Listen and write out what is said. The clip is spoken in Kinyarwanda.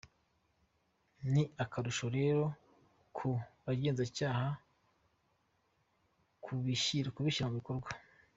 Ni akarusho rero ku bagenzacyaha kubishyira mu bikorwa.